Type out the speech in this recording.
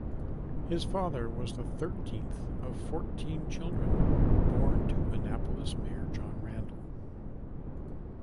His father was the thirteenth of fourteen children born to Annapolis mayor John Randall.